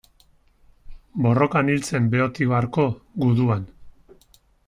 Borrokan hil zen Beotibarko guduan.